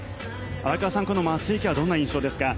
荒川さん、松生はどんな印象ですか？